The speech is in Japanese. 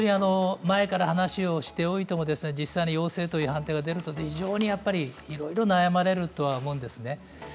前から話をしておいても実際に陽性の判定が出るといろいろ悩まれると思うんですね。